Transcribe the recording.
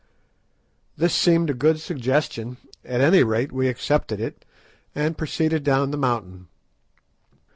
This seemed a good suggestion; at any rate, we accepted it, and proceeded down the mountain.